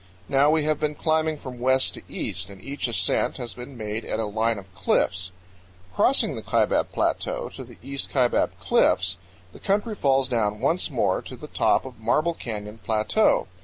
Now we have been climbing from west to east, and each ascent has been made at a line of cliffs. Crossing the Kaibab Plateau to the East Kaibab Cliffs; the country falls down once more to the top of Marble Canyon Plateau.